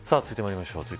続いてまいりましょう。